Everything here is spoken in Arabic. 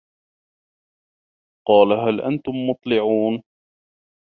قالَ هَل أَنتُم مُطَّلِعونَ